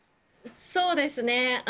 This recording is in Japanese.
そうですね。